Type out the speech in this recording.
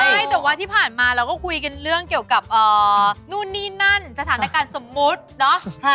ใช่แต่ว่าที่ผ่านมาเราก็คุยกันเรื่องเกี่ยวกับนู่นนี่นั่นสถานการณ์สมมุติเนาะ